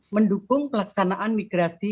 mendukung pelaksanaan migrasi